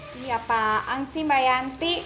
siapaan sih mbak yanti